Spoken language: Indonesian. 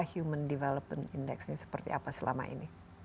human development index nya seperti apa selama ini